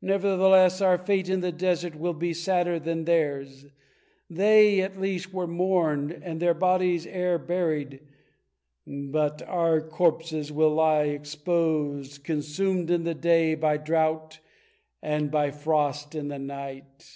Nevertheless our fate in the desert will be sadder than theirs. They at least were mourned, and their bodies ere buried, but our corpses will lie exposed, consumed in the day by drought and by frost in the night."